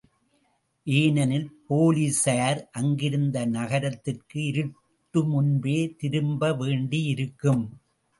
ஏனெனில் போலிஸார் அங்கிருந்து நகரத்திற்கு இருட்டு முன்பே திரும்பவேண்டியிருக்கும்.